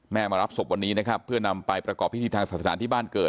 มารับศพวันนี้นะครับเพื่อนำไปประกอบพิธีทางศาสนาที่บ้านเกิด